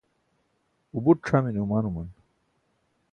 u buṭ c̣hamine omanuman